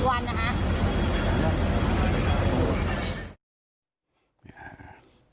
เกิดไหมคะ